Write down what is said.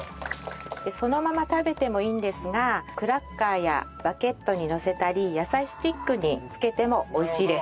そのまま食べてもいいんですがクラッカーやバゲットにのせたり野菜スティックに付けても美味しいです。